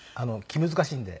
気難しいんで。